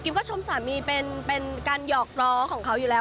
ก็ชมสามีเป็นการหยอกล้อของเขาอยู่แล้ว